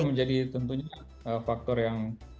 menjadi tentunya faktor yang